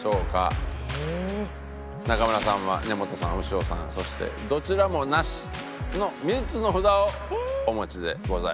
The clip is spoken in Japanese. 中村さんは「根本さん」「潮さん」そして「どちらもなし」の３つの札をお持ちでございます。